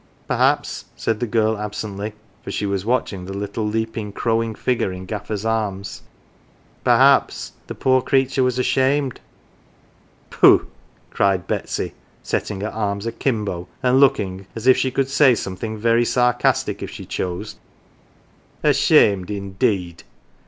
" Perhaps," said the girl absently, for she was watch ing the little leaping crowing figure in Gaffer's arms, " perhaps the poor creature was ashamed." " Pooh," cried Betsy, setting her arms akimbo, and looking as if she could say something very sarcastic if 41 GAFFER'S CHILD she chose, " ashamed, indeeed